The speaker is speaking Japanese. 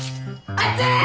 熱い！